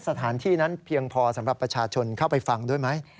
สถานที่นั้นเพียงพอสำหรับประชาชนเข้าไปฟังด้วยไหม